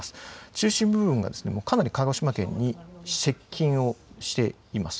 中心部分がかなり鹿児島県に接近をしています。